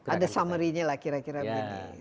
ada summary nya lah kira kira begini